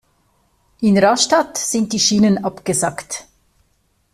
In Rastatt sind die Schienen abgesackt.